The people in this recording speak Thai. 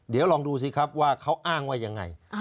เดี๋ยวลองดูสิครับว่าเขาอ้างว่ายังไง